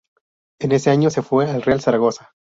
En ese año se fue al Real Zaragoza.